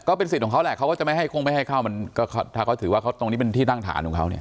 สิทธิ์เขาแหละเขาก็จะไม่ให้คงไม่ให้เข้ามันก็ถ้าเขาถือว่าเขาตรงนี้เป็นที่นั่งฐานของเขาเนี่ย